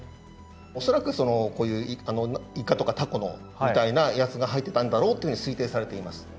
恐らくこういうイカとかタコみたいなやつが入ってたんだろうっていうふうに推定されています。